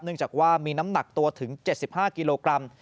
จากว่ามีน้ำหนักตัวถึง๗๕กิโลกรัม